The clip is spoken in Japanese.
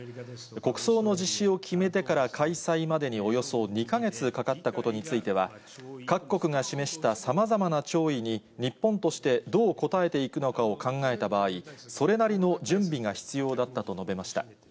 国葬の実施を決めてから、開催までに、およそ２か月かかったことについては、各国が示したさまざまな弔意に日本としてどう応えていくのかを考えた場合、それなりの準備が必要だったと述べました。